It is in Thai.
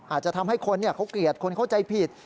อาจจะทำให้คนเขาเกลียดคนเข้าใจผิด